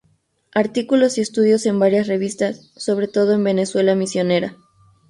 Artículos y estudios en varias revistas, sobre todo en Venezuela Misionera